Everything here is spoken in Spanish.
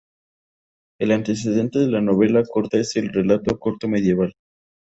El antecedente de la novela corta es el relato corto medieval.